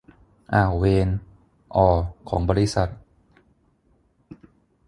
อ่าวเวร อ่อของบริษัท